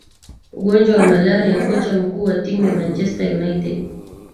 ugonjwa wa malaria kocha mkuu wa timu ya manchester united